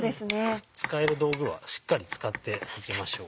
使える道具はしっかり使っていきましょう。